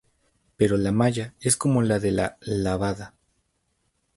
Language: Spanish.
Pero la malla es como la de la "lavada".